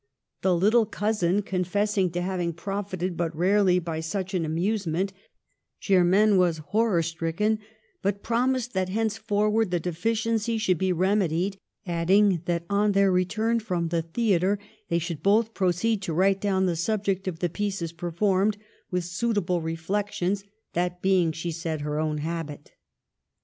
The little cousin confessing to having profited but rarely by such an amusement, Germaine was horror stricken, but promised that henceforward the deficiency should be remedied, adding that on their return from the theatre they should both proceed to write down the subject of the pieces performed, with suitable reflections ; that being, she said, her own habit.